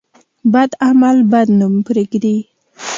بد عمل بد نوم پرېږدي.